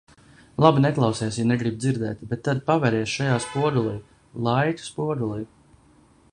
Labi, neklausies, ja negribi dzirdēt, bet tad paveries šajā spogulī, laika spogulī.